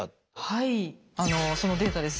はいそのデータです。